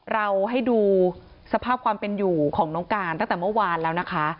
เราให้ดูสภาพความเป็นอยู่ของน้องการตั้งแต่เมื่อวานแล้วนะคะ